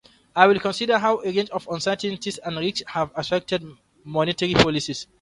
I will consider how a range of uncertainties and risks have affected monetary policy.